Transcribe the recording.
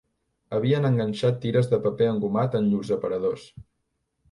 Havien enganxat tires de paper engomat en llurs aparadors